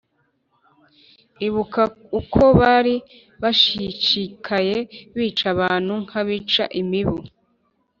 Ibuka uko bari bashishikaye Bica abantu nk’abica imibu